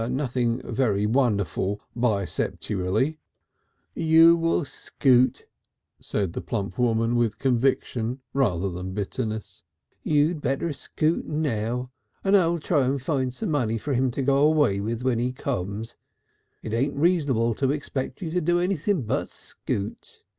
Nothing very wonderful bicepitally." "You'll scoot," said the plump woman with conviction rather than bitterness. "You'd better scoot now, and I'll try and find some money for him to go away again when he comes. It ain't reasonable to expect you to do anything but scoot.